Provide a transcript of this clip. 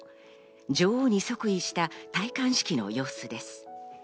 女王に即位した戴冠式の様子です。